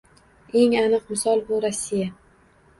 Eng aniq misol - bu Rossiya